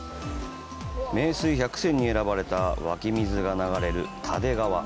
名水百選に選ばれた湧水が流れる蓼川。